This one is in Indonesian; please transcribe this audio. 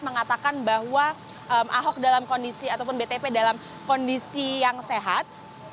mengatakan bahwa ahok dalam kondisi ataupun btp dalam kondisi yang sehat